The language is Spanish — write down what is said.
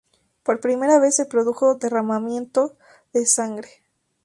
Por primera vez, se produjo derramamiento de sangre.